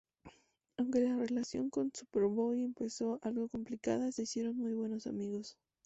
Aunque la relación con Superboy empezó algo complicada, se hicieron muy buenos amigos.